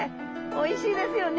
おいしいですよね。